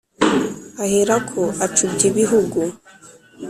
ahera ko acubya ibihugu